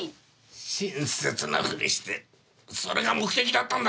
親切なふりしてそれが目的だったんだな！？